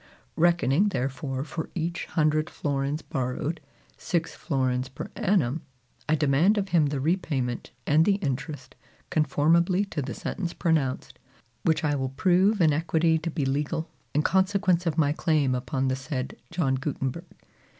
Reckoning therefore for each hundred florins borrowed, six florins per annum, I demand of him the repayment, and the interest, conformably to the sentence pronounced, which I will prove in equity to be legal, in consequence of my claim upon the said John Gutenberg.